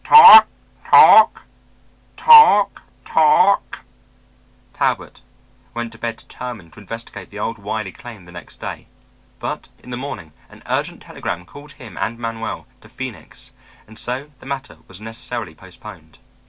"Toc toc, toc toc." Talbot went to bed determined to investigate the old Wiley claim the next day, but in the morning an urgent telegram called him and Manuel to Phoenix, and so the matter was necessarily postponed.